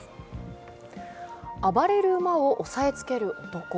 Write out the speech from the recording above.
暴れる馬を押さえつける男。